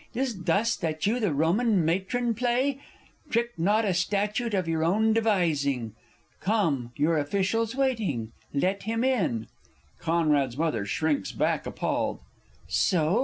Is't thus that you the Roman Matron play? Trick not a statute of your own devising. Come, your official's waiting let him in! [C's M. shrinks back appalled. So?